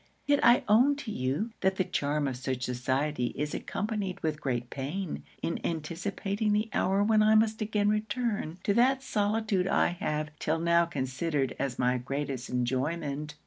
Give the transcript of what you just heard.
Yet I own to you, that the charm of such society is accompanied with great pain, in anticipating the hour when I must again return to that solitude I have 'till now considered as my greatest enjoyment.'